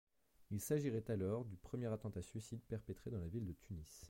Il s'agirait alors du premier attentat-suicide perpétré dans la ville de Tunis.